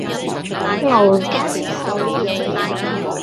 熬更守夜